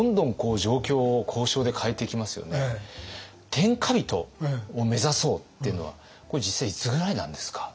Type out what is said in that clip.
天下人を目指そうっていうのはこれ実際いつぐらいなんですか？